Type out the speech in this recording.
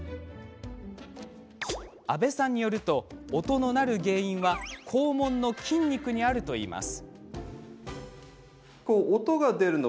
安部さんによると音の鳴る原因は肛門の筋肉にあるといいます。